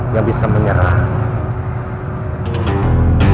yang bisa menyerang